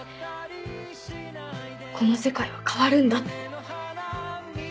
この世界は変わるんだって。